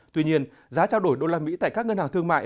tuy nhiên giá trao đổi đô la mỹ tại các ngân hàng thương mại